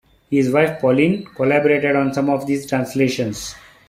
His wife, Pauline, collaborated on some of these translations.